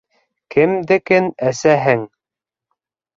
Кемдекен әсәһең?